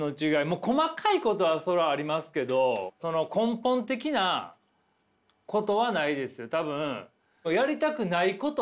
もう細かいことはそれはありますけど根本的なことはないです。